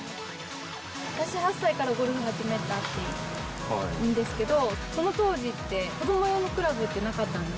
私、８歳からゴルフ始めたんですけど、その当時って、子ども用のクラブってなかったんです。